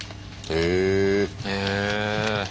へえ。